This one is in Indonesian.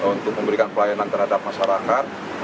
untuk memberikan pelayanan terhadap masyarakat